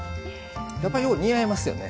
やっぱよう似合いますよね。